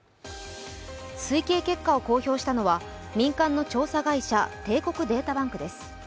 推計結果を公表したのは民間の調査会社、帝国データバンクです。